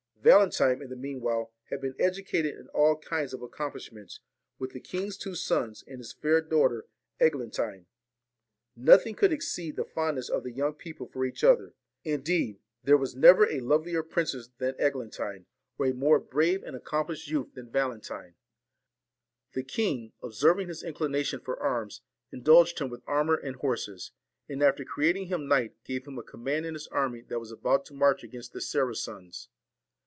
Valentine, in the meanwhile, had been educated in all kinds of accomplishments with the king's two sons and his fair daughter, Eglantine. Nothing could exceed the fondness of the young people for each other ; indeed, there was never a lovelier princess than Eglantine, or a more brave 39 VALEN and accomplished youth than Valentine. The f? E n N k| n observing his inclination for arms, indulged ORSON jjim w ^ armour and horses, and after creating him knight gave him a command in his army that was about to march against the Saracens.